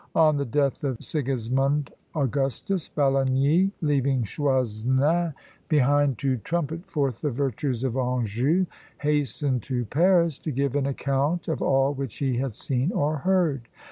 On the death of Sigismond Augustus, Balagny, leaving Choisnin behind to trumpet forth the virtues of Anjou, hastened to Paris to give an account of all which he had seen or heard.